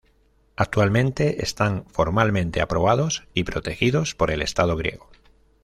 Actualmente están formalmente aprobados y protegidos por el estado Griego.